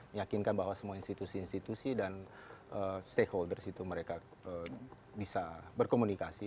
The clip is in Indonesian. meyakinkan bahwa semua institusi institusi dan stakeholders itu mereka bisa berkomunikasi